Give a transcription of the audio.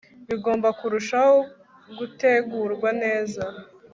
bigomba kurushaho gutegurwa neza